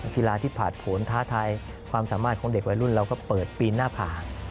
กีฬาที่ผ่านผลท้าทายความสามารถของเด็กวัยรุ่นเราก็เปิดปีนหน้าผ่า